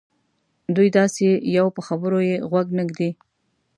دوی داسې یوو په خبرو یې غوږ نه ږدي.